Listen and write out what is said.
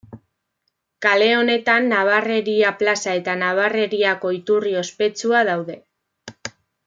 Kale honetan Nabarreria plaza eta Nabarreriako iturri ospetsua daude.